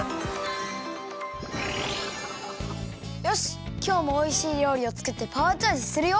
よしきょうもおいしいりょうりをつくってパワーチャージするよ！